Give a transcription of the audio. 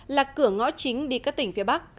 là cửa ngõ chính đi các tỉnh phía bắc